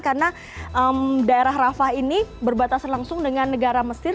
karena daerah rafah ini berbatas langsung dengan negara mesir